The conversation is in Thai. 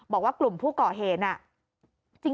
บอกว่ากลุ่มผู้เกาะเหน